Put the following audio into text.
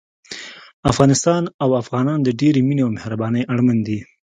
افغانستان او افغانان د ډېرې مينې او مهربانۍ اړمن دي